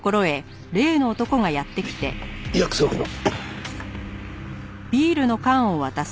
約束の。